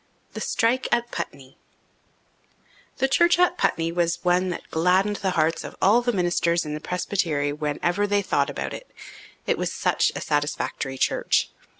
The Strike at Putney The church at Putney was one that gladdened the hearts of all the ministers in the presbytery whenever they thought about it. It was such a satisfactory church.